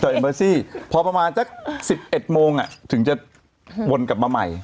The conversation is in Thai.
เอ็มเบอร์ซี่พอประมาณสัก๑๑โมงถึงจะวนกลับมาใหม่